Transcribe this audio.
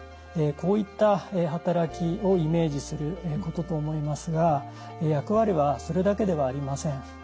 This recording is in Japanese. こういった働きをイメージすることと思いますが役割はそれだけではありません。